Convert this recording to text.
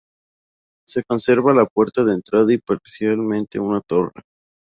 Se conserva la puerta de entrada y parcialmente una torre.